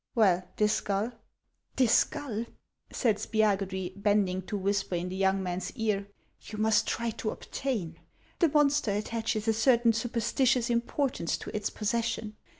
Well, this skull ?"" This skull," said Spiagudry, bending to whisper in the young man's ear, " you must try to obtain. The monster attaches a certain superstitious importance to its pos session.